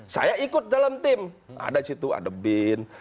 saya ikut dalam tim ada di situ ada bin